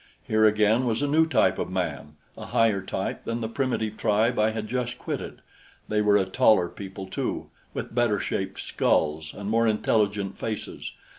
Here again was a new type of man a higher type than the primitive tribe I had just quitted. They were a taller people, too, with better shaped skulls and more intelligent faces.